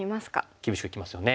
厳しくいきますよね。